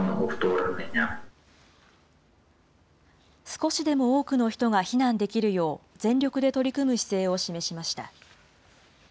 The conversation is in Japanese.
少しでも多くの人が避難できるよう、全力で取り組む姿勢を示しました。